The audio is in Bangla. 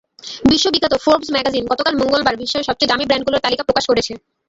বিশ্বখ্যাত ফোর্বস ম্যাগাজিন গতকাল মঙ্গলবার বিশ্বের সবচেয়ে দামি ব্র্যান্ডগুলোর তালিকা প্রকাশ করেছে।